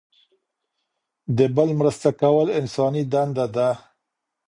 د بل مرسته کول انساني دنده ده.